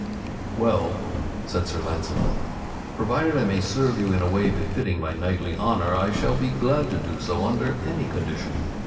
"Well," said Sir Launcelot, "provided I may serve you in a way fitting my knightly honor, I shall be glad to do so under any condition.